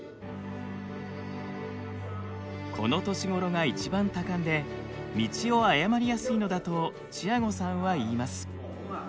この年頃が一番多感で道を誤りやすいのだとチアゴさんは言います。